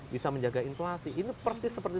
bisa menjaga inflasi ini persis seperti